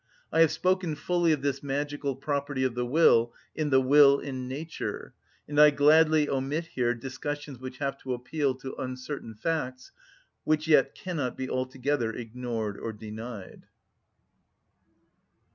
I have spoken fully of this magical property of the will in "The Will in Nature," and I gladly omit here discussions which have to appeal to uncertain facts, which yet cannot be altogether ignored or denied.